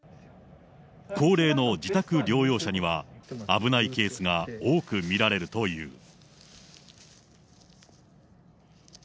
高齢の自宅療養者には危ないケースが多く見られるという。